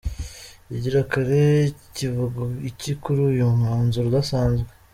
Igirikare kivuga iki kuri uyu mwanzuro udasanzwe?.